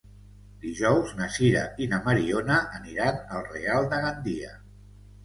Dijous na Sira i na Mariona aniran al Real de Gandia.